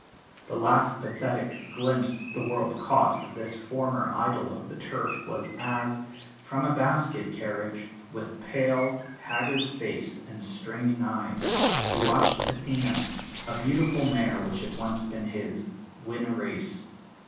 The last pathetic glimpse the world caught of this former idol of the Turf was as, from a basket carriage, with pale, haggard face and straining eyes, he watched Athena, a beautiful mare which had once been his, win a race.